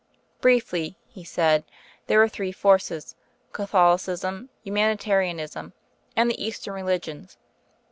"Briefly," he said, "there are three forces Catholicism, Humanitarianism, and the Eastern religions.